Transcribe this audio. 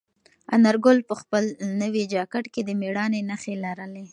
انارګل په خپل نوي جاکټ کې د مېړانې نښې لرلې.